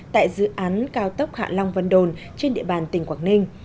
tại dự án cao tốc hạ long vân đồn trên địa bàn tỉnh quảng ninh